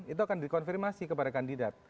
itu akan dikonfirmasi kepada kandidat